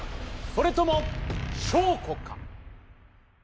それとも翔子か？